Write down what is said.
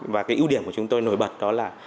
và cái ưu điểm của chúng tôi nổi bật đó là